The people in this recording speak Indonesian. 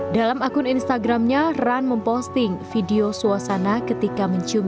dalam akun instagramnya run memposting video suasana ketika mencium